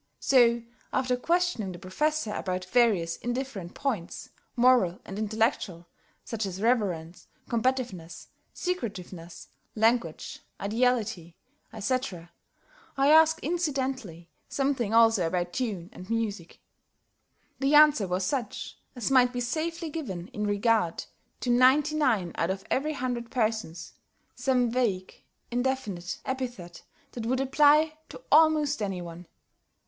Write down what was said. So, after questioning the Professor about various indifferent points, moral and intellectual, such as reverence, combativeness, secretiveness, language, ideality, etc., I asked incidentally something also about tune and music. The answer was such as might be safely given in regard to ninety nine out of every hundred persons some vague, indefinite epithet that would apply to almost any one.